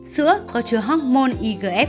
sữa có chứa hormôn igf một